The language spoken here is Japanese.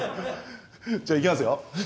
じゃ行きますよ。